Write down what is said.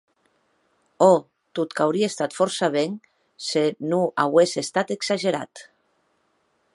Òc, tot qu'aurie estat fòrça ben se non auesse estat exagerat.